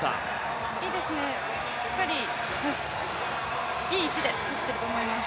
いいですね、しっかりいい位置で走っていると思います。